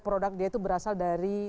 produk dia itu berasal dari